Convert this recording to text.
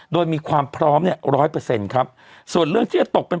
โดยมีความพร้อมเนี่ยร้อยเปอร์เซ็นต์ครับส่วนเรื่องที่จะตกเป็น